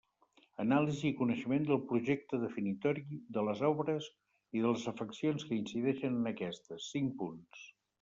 Anàlisi i coneixement del projecte definitori de les obres i de les afeccions que incideixen en aquestes: cinc punts.